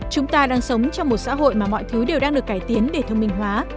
chúng ta đang sống trong một xã hội mà mọi thứ đều đang được cải tiến để thông minh hóa